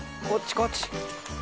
こっちこっち。